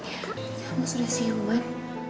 kamu sudah siuman